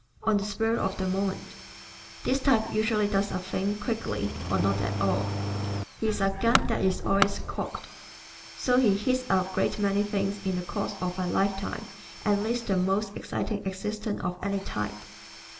On the Spur of the Moment ¶ This type usually does a thing quickly or not at all. He is a gun that is always cocked. So he hits a great many things in the course of a lifetime and leads the most exciting existence of any type.